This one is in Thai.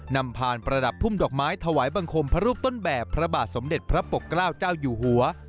นำพานประดับพุ่มดอกไม้ถวายบังคมพระรูปต้นแบบพระบาทสมเด็จพระปกเกล้าเจ้าอยู่หัว